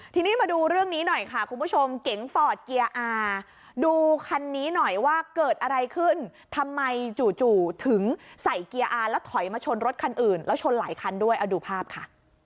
ทีนี้มาดูเรื่องนี้หน่อยค่ะคุณผู้ชมเก๋งฟอร์ดเกียร์อาดูคันนี้หน่อยว่าเกิดอะไรขึ้นทำไมจู่ถึงใส่เกียร์อาร์แล้วถอยมาชนรถคันอื่นแล้วชนหลายคันด้วยเอาดูภาพค่ะ